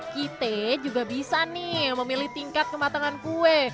kita juga bisa nih memilih tingkat kematangan kue